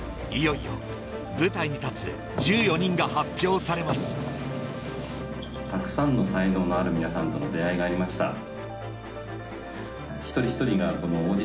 いよいよたくさんの才能のある皆さんとの出会いがありました。